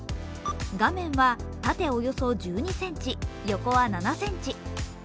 画面は縦およそ１２ｃｍ横は７ｃｍ。